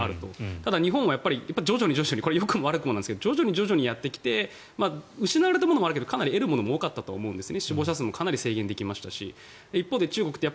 ただ日本は徐々にこれはよくも悪くもですが徐々にやってきて失われたものもあるけどかなり得たものも多かったと思うんですね。